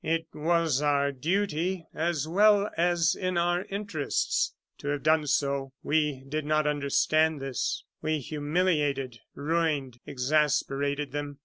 It was our duty, as well as in our interests, to have done so. We did not understand this; we humiliated, ruined, exasperated them.